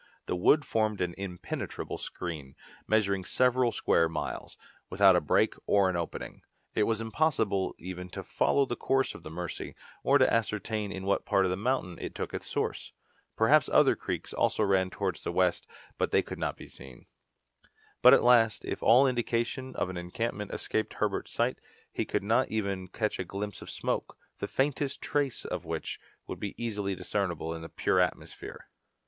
The wood formed an impenetrable screen, measuring several square miles, without a break or an opening. It was impossible even to follow the course of the Mercy, or to ascertain in what part of the mountain it took its source. Perhaps other creeks also ran towards the west, but they could not be seen. But at last, if all indication of an encampment escaped Herbert's sight, could he not even catch a glimpse of smoke, the faintest trace of which would be easily discernible in the pure atmosphere?